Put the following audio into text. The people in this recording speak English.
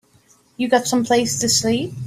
You got someplace to sleep?